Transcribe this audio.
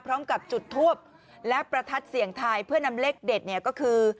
พร้อมกับจุดทูปและประทัดเสี่ยงทายเพื่อนำเลขเด็ดเนี่ยก็คือ